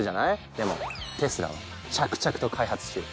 でもテスラは着々と開発中。